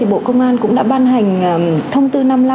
bộ công an cũng đã ban hành thông tư năm mươi năm